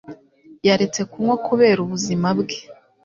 Yaretse kunywa kubera ubuzima bwe.